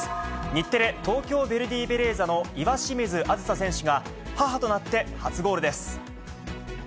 日テレ東京ヴェルディベレーザの岩清水梓選手が、母となって初ゴールです。